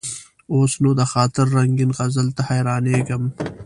اوس نو: د خاطر رنګین غزل ته حیرانېږم.